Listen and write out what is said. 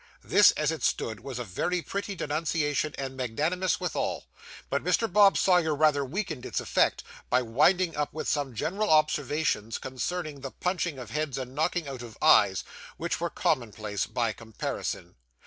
This, as it stood, was a very pretty denunciation, and magnanimous withal; but Mr. Bob Sawyer rather weakened its effect, by winding up with some general observations concerning the punching of heads and knocking out of eyes, which were commonplace by comparison.